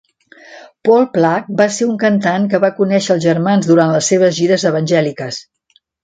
Paul Plack va ser un cantant que va conèixer els germans durant les seves gires evangèliques.